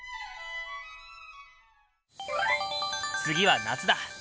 次は「夏」だ！